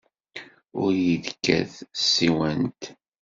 Ur iyi-d-kkat s tsiwant!